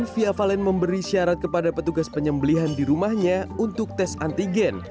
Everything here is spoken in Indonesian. fia valen memberi syarat kepada petugas penyembelihan di rumahnya untuk tes antigen